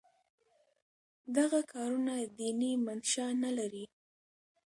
دغه کارونه دیني منشأ نه لري.